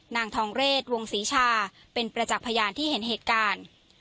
นางทองเรศวงศรีชาเป็นประจักษ์พยานที่เห็นเหตุการณ์